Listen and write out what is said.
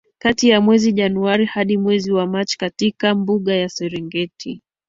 kati ya mwezi Januari hadi mwezi Machi katika mbuga ya Serengeti